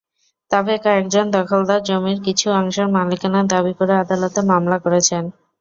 তবে কয়েকজন দখলদার জমির কিছু অংশের মালিকানা দাবি করে আদালতে মামলা করেছেন।